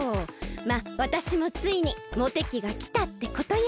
まっわたしもついにモテキがきたってことよ。